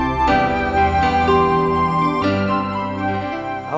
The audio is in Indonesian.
kasih semarang semarang